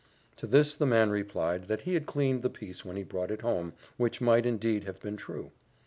To this the man replied, that he had cleaned the piece when he brought it home, which might indeed have been true.